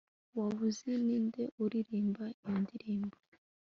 waba uzi ninde uririmba iyo ndirimbo